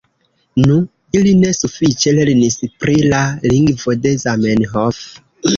Nu, ili ne sufiĉe lernis pri la lingvo de Zamenhof.